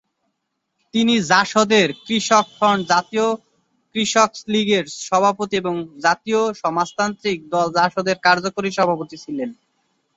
তিনি জাসদের কৃষক ফ্রন্ট জাতীয় কৃষক লীগের সভাপতি ও জাতীয় সমাজতান্ত্রিক দল জাসদের কার্যকরী সভাপতি ছিলেন।